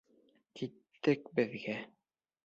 Киттек беҙгә.